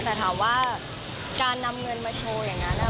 แต่ถามว่าการนำเงินมาโชว์อย่างนั้น